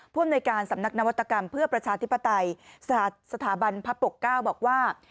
อำนวยการสำนักนวัตกรรมเพื่อประชาธิปไตยสถาบันพระปกเก้าบอกว่า